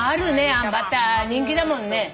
あんバター人気だもんね。